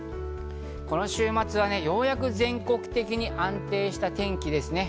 この週末はようやく全国的に安定した天気ですね。